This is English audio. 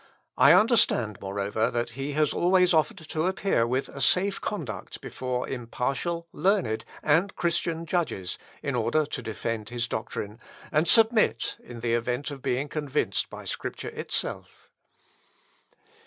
I understand, moreover, that he has always offered to appear with a safe conduct before impartial, learned, and Christian judges, in order to defend his doctrine, and submit, in the event of being convinced by Scripture itself."